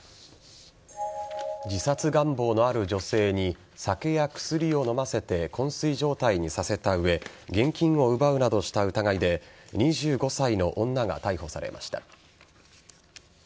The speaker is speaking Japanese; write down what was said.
自殺願望のある女性に酒や薬を飲ませて昏睡状態にさせた上現金を奪うなどした疑いで２５歳の女が逮捕されました。